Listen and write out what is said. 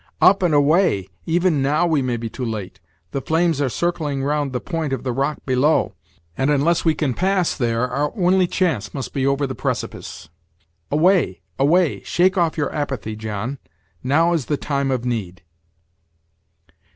"Up and away! even now we may be too late; the flames are circling round the point of the rock below, and, unless we can pass there, our only chance must be over the precipice. Away! away! shake off your apathy, John; now is the time of need."